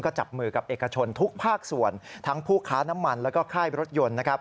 ก็จับมือกับเอกชนทุกภาคส่วนทั้งผู้ค้าน้ำมันแล้วก็ค่ายรถยนต์นะครับ